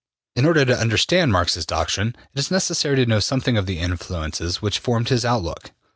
In order to understand Marx's doctrine, it is necessary to know something of the influences which formed his outlook.